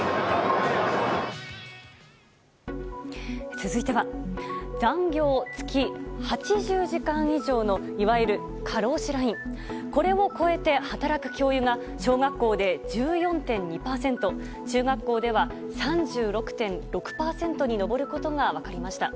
続いては残業月８０時間以上のいわゆる過労死ラインこれを超えて働く教諭が小学校で１４．２％中学校で３６．６％に上ることが分かりました。